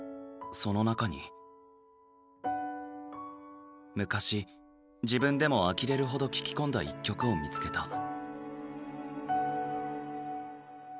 その中に昔自分でもあきれるほど聴き込んだ一曲を見つけた。